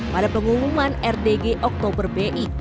pada pengumuman rdg oktober bi